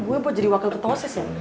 gue buat jadi wakil ketua osis ya